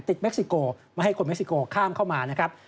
เม็กซิโกไม่ให้คนเม็กซิโกข้ามเข้ามานะครับ